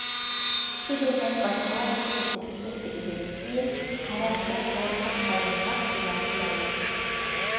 ئىككى دۆلەت باشلىقلار ئۇچرىشىشى سۆھبىتىدىن كېيىن قەرەلىدە ئورتاق بايانات ئېلان قىلالمىدى.